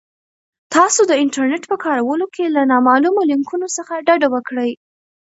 تاسو د انټرنیټ په کارولو کې له نامعلومو لینکونو څخه ډډه وکړئ.